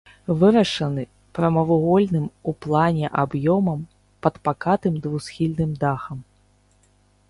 Вырашаны прамавугольным у плане аб'ёмам пад пакатым двухсхільным дахам.